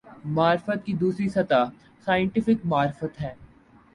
معرفت کی دوسری سطح "سائنٹیفک معرفت" ہے۔